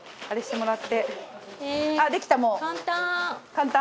簡単！